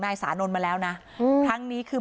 สานนท์มาแล้วนะครั้งนี้คือ